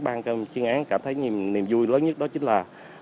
ban chuyên án cảm thấy niềm vui lớn nhất đó chính là